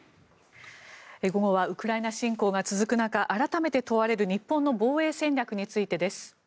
午後はウクライナ侵攻が続く中改めて問われる日本の防衛戦略についてです。